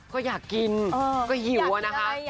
ก็อยากกินก็หิวอะนะคะ